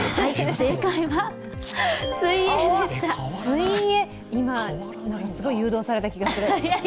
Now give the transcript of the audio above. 正解は今、すごい誘導された気がする。